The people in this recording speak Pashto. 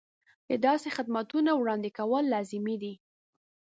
د داسې خدمتونو وړاندې کول لازمي دي.